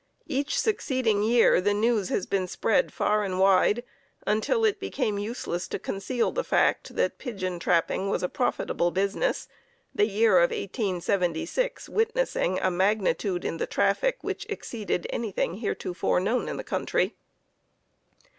Each succeeding year the news has been spread far and wide until it became useless to conceal the fact that pigeon trapping was a profitable business, the year of 1876 witnessing a magnitude in the traffic which exceeded anything heretofore known in the country.